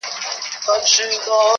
د بوډا مخي ته دي ناست څو ماشومان د کلي-